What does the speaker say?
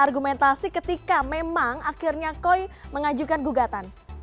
argumentasi ketika memang akhirnya koi mengajukan gugatan